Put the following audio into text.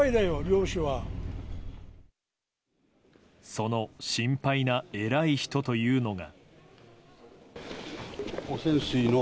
その心配な偉い人というのが。